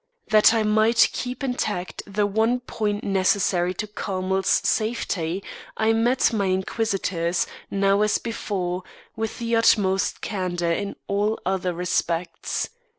That I might keep intact the one point necessary to Carmel's safety, I met my inquisitors, now as before, with the utmost candour in all other respects.